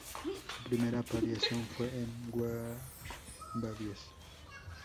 Su primera aparición fue en "War Babies".